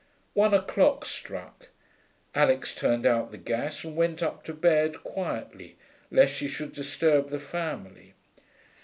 One o'clock struck. Alix turned out the gas and went up to bed, quietly, lest she should disturb the family.